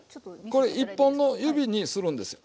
これ１本の指にするんですよ。